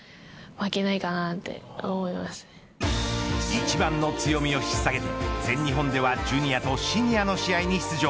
一番の強みを引っさげて全日本ではジュニアとシニアの試合に出場。